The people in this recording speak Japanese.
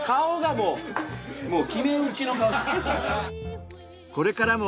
もう決めうちの顔。